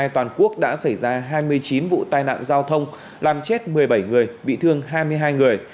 toàn quốc đã xảy ra hai mươi chín vụ tai nạn giao thông làm chết một mươi bảy người bị thương hai mươi hai người